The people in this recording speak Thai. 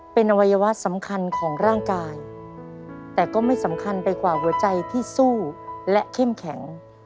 เป็นอวัยวะสำคัญของร่างกายแต่ก็ไม่สำคัญไปกว่าหัวใจที่สู้และเข้มแข็ง